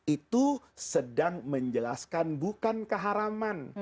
itu sedang menjelaskan bukan keharaman